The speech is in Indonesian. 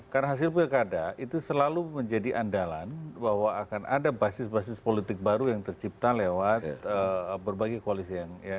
karena hasil pkd itu selalu menjadi andalan bahwa akan ada basis basis politik baru yang tercipta lewat berbagai koalisi yang